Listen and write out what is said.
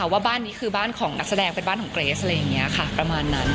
ว่าบ้านนี้คือบ้านของนักแสดงเป็นบ้านของเกรสอะไรอย่างนี้ค่ะประมาณนั้น